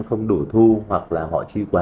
không đủ thu hoặc là họ chi quá